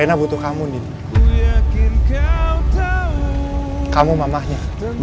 aku yakin kau tahu